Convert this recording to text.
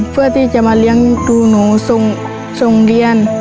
เพื่อที่จะมาเลี้ยงดูหนูส่งเรียน